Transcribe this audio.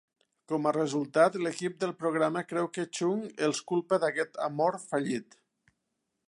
Com a resultat, l'equip del programa creu que Chung els culpa d'aquest amor fallit.